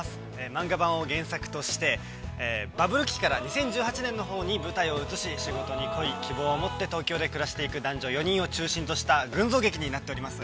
漫画版を原作としてバブル期から２０１８年のほうに舞台を移し仕事に恋、希望を持って東京で暮らしていく男女４人を中心とした群像劇になっております。